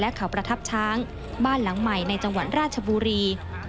เขาประทับช้างบ้านหลังใหม่ในจังหวัดราชบุรี